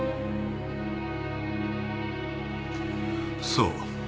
そう。